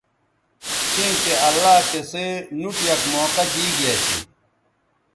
چیں چہء اللہ تسئ نوٹ یک موقعہ دی گی اسی